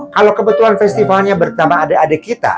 kalau kebetulan festivalnya bertambah adik adik kita